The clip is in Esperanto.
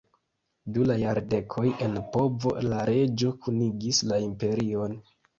Du la jardekoj en povo, la reĝo kunigis la imperion.